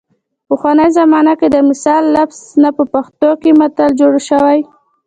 پخوانۍ زمانه کې د مثل لفظ نه په پښتو کې متل جوړ شوی